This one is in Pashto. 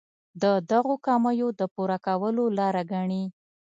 د دغو کمیو د پوره کولو لاره ګڼي.